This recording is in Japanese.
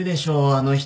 あの人。